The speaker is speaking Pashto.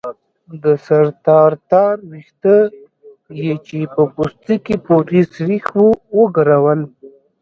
د سر تار تار ويښته يې چې په پوستکي پورې سرېښ وو وګرول.